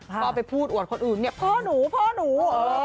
พ่อไปพูดอวดคนอื่นพ่อหนูพ่อหนู